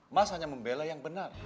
mas hanya membela yang benar